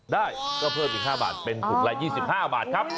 ได้ก็เพิ่มอีก๕บาทเป็นถุงละ๒๕บาทครับ